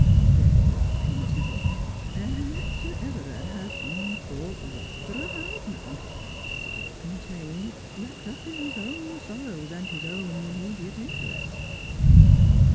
Very good of him, isn't it 't And yet Sir Everard has been thought rather a hard man — self contained, wrapped up in his own sorrows, and his own immediate interests.'